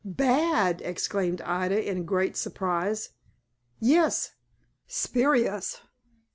"Bad!" exclaimed Ida, in great surprise. "Yes, spurious.